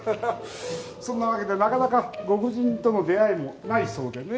そんなわけでなかなかご婦人との出会いもないそうでね。